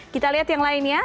kita lihat yang lainnya